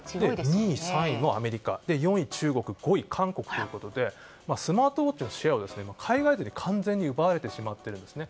２位、３位もアメリカ４位、中国５位、韓国ということでスマートウォッチのシェアは海外勢に完全に奪われているんですね。